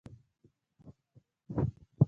• مینه د وخت تابع نه ده.